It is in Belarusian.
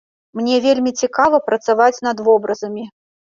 Мне вельмі цікава працаваць над вобразамі.